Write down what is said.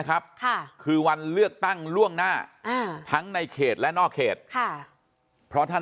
ครับค่ะคือวันเลือกตั้งล่วงหน้าทั้งในเขตและนอกเขตค่ะเพราะท่าน